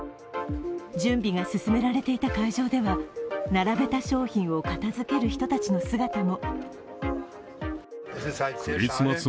準備が進められていた会場では並べた商品を片づける人たちの姿も。